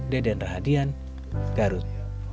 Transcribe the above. deden rahadian garut